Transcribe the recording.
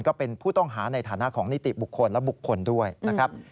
ก็เป็นผู้ต้องหาในฐานะของนิติบุคคลและบุคคลด้วยนะครับ